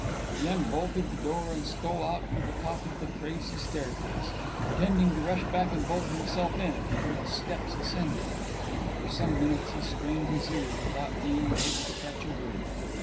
He unbolted the door and stole out to the top of the crazy staircase, intending to rush back and bolt himself in if he heard steps ascending; and for some minutes he strained his ears, without being able to catch a sound.